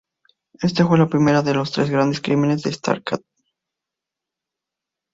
Esta fue la primera de los tres grandes crímenes de Starkad.